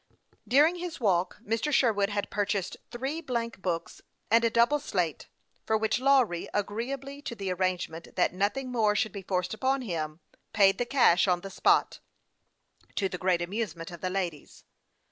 During his walk Mr. Sherwood had purchased THE YOTJXG PILOT OF LAKE CHAMPLAIN. 255 three blank books, and a double slate, for which Lawry, agreeably to the arrangement that nothing more should be forced upon him, paid the cash on the spot, to the great amusement of the ladies.